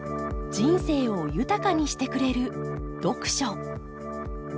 人生を豊かにしてくれる読書。